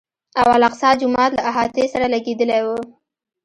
او الاقصی جومات له احاطې سره لګېدلی و.